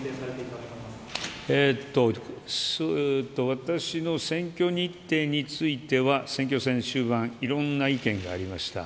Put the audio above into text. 私の選挙日程については選挙戦終盤いろんな意見がありました。